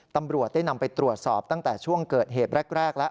ตำรวจได้นำไปตรวจสอบตั้งแต่ช่วงเกิดเหตุแรกแล้ว